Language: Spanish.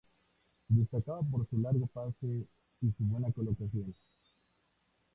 Destacaba por su largo pase y su buena colocación.